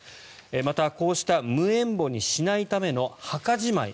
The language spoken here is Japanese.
また、こうした無縁墓にしないための墓じまい